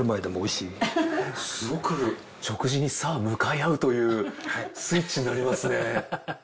すごく食事にさあ向かい合うというスイッチになりますね。